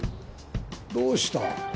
どうした？